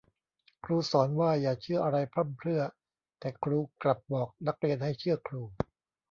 ครูสอนว่าอย่าเชื่ออะไรพร่ำเพรื่อ แต่ครูกลับบอกนักเรียนให้เชื่อครู